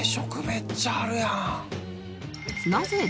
めっちゃあるやん！」